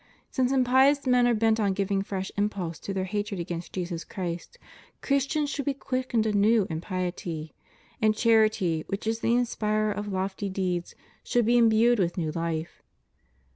Since impious men are bent on giving fresh impulse to their hatred against Jesus Christ, Christians should be quickened anew in piety ; and charity, which is the inspirer of lofty deeds, should be imbued with new life.